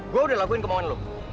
gue udah lakuin kemauan lu